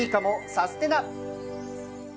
サステナ！